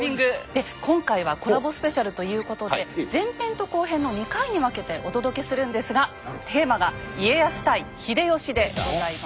で今回はコラボスペシャルということで前編と後編の２回に分けてお届けするんですがテーマが「家康対秀吉」でございます。